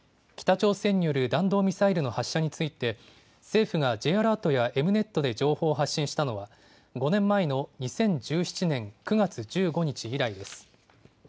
北朝鮮による弾道ミサイルの発射について政府がＪ−ＡＬＥＲＴやＥｍ−Ｎｅｔで情報を発信したのは５年前の２０１７年９月１５日以来です。